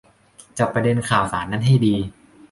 จับประเด็นข่าวสารนั้นให้ดี